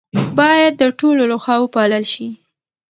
باید د ټولو لخوا وپالل شي.